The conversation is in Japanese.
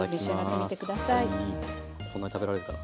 こんなに食べられるかな。